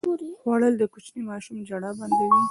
خوړل د کوچني ماشوم ژړا بنده وي